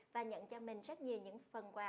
và nhận cho mình rất nhiều những phần quà